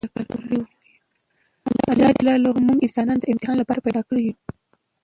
الله ج موږ انسانان د امتحان لپاره پیدا کړي یوو!